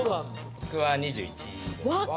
僕は２１です。